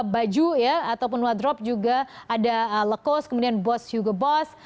baju ya ataupun wardrobe juga ada lekos kemudian boss hugo boss